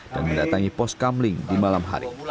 dan mendatangi pos kamling di malam hari